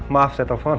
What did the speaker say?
maaf saya telepon